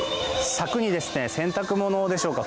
柵に洗濯物でしょうか